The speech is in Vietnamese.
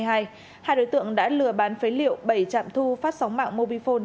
hai đối tượng đã lừa bán phế liệu bảy trạm thu phát sóng mạng mobifone